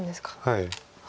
はい。